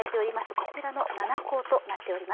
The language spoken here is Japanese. こちらの７校となっております。